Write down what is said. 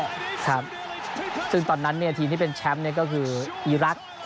ครับซึ่งตอนนั้นเนี่ยทีมที่เป็นแชมป์เนี่ยก็คืออีรักษ์